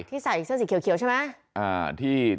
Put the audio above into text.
ที่ใส่เสื้อสีเขียวใช่มะ